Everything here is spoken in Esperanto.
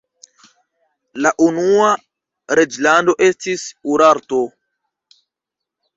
La unua reĝlando estis Urarto.